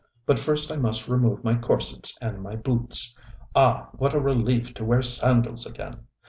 But first I must remove my corsets and my boots. Ah, what a relief to wear sandals again.